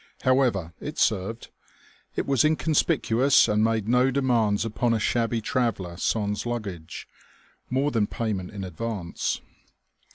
However, it served; it was inconspicuous and made no demands upon a shabby traveller sans luggage, more than payment in advance.